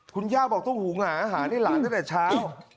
คุณย่าบอกต้องหุงหาอาหารให้หลานตั้งแต่เช้า